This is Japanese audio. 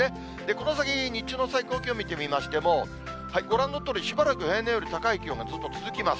この先、日中の最高気温見てみましても、ご覧のとおり、しばらく平年より高い気温がずっと続きます。